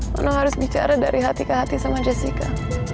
tolong harus bicara dari hati ke hati sama jessica